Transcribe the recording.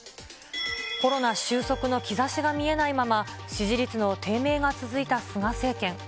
コロナ収束の兆しが見えないまま、支持率の低迷が続いた菅政権。